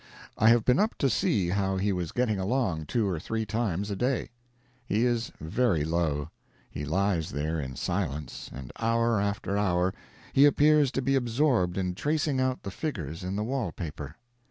I have been up to see how he was getting along two or three times a day. He is very low; he lies there in silence, and hour after hour he appears to be absorbed in tracing out the figures in the wall paper.